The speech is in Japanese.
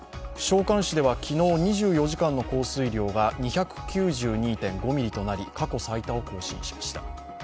関市では昨日２４時間の降水量が２９２．５ミリとなり、過去最多を更新しました。